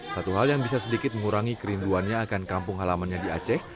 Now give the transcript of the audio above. satu hal yang bisa sedikit mengurangi kerinduannya akan kampung halamannya di aceh